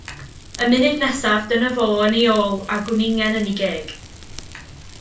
Y munud nesaf, dyna fo yn i ôl, a gwningen yn i geg.